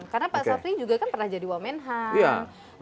karena pak syafri juga kan pernah jadi wamenhan